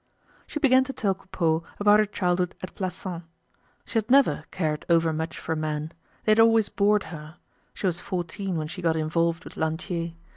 She began to tell Coupeau about her childhood at Plassans. She had never cared overmuch for men; they had always bored her. She was fourteen when she got involved with Lantier.